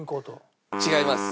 違います。